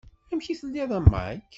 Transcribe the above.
Amek i telliḍ a Mike?